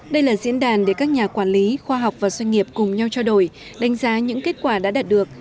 đây là diễn đàn để các nhà quản lý khoa học và doanh nghiệp cùng nhau trao đổi đánh giá những kết quả đã đạt được